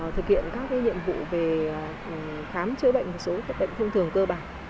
thực hiện các nhiệm vụ về khám chữa bệnh một số các bệnh thông thường cơ bản